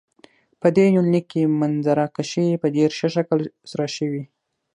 په دې يونليک کې منظره کشي په ډېر ښه شکل سره شوي.